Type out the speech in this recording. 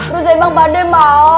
lu sempat pak dek mau